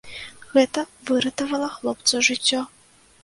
Гэта выратавала хлопцу жыццё.